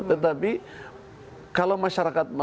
tetapi kalau masyarakat